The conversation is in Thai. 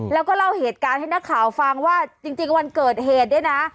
แล้วก็เล่าเหตุการณ์ให้นักข่าวฟังว่าจริงวันเกิดเหตุเนี่ยนะ